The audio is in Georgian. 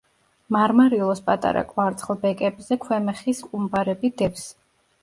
მარმარილოს პატარა კვარცხლბეკებზე ქვემეხის ყუმბარები დევს.